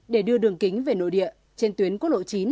để đưa đường kính về nội địa trên tuyến quốc lộ chín